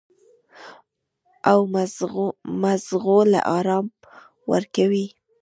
او مزغو له ارام ورکوي -